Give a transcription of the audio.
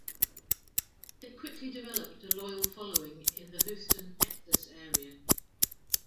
They quickly developed a loyal following in the Houston, Texas area.